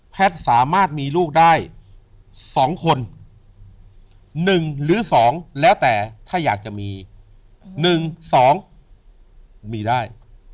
สามารถมีลูกได้๒คน๑หรือ๒แล้วแต่ถ้าอยากจะมี๑๒มีได้